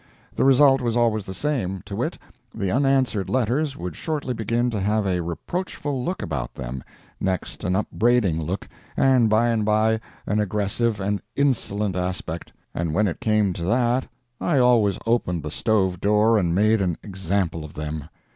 The result was always the same, to wit: the unanswered letters would shortly begin to have a reproachful look about them, next an upbraiding look, and by and by an aggressive and insolent aspect; and when it came to that, I always opened the stove door and made an example of them.